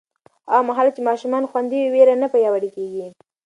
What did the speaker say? هغه مهال چې ماشومان خوندي وي، ویره نه پیاوړې کېږي.